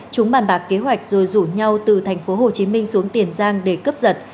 chúng bàn bạc kế hoạch rồi rủ nhau từ thành phố hồ chí minh xuống tiền giang để cướp giật